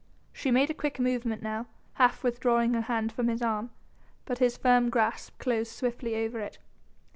She made a quick movement now, half withdrawing her hand from his arm, but his firm grasp closed swiftly over it.